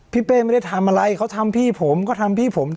เป้ไม่ได้ทำอะไรเขาทำพี่ผมก็ทำพี่ผม